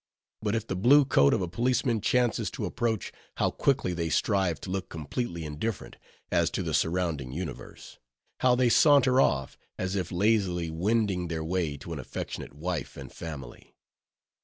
But if the blue coat of a policeman chances to approach, how quickly they strive to look completely indifferent, as to the surrounding universe; how they saunter off, as if lazily wending their way to an affectionate wife and family.